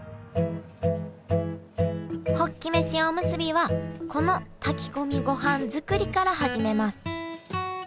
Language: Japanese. ホッキ飯おむすびはこの炊き込みごはん作りから始めます。